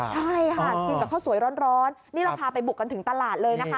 ใช่ค่ะกินกับข้าวสวยร้อนนี่เราพาไปบุกกันถึงตลาดเลยนะคะ